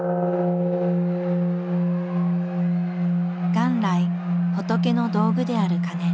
元来仏の道具である鐘。